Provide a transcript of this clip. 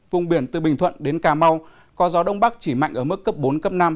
vùng biển từ bình thuận đến cà mau có gió đông bắc chỉ mạnh ở mức cấp bốn cấp năm